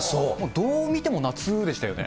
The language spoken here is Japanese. どう見ても夏でしたよね。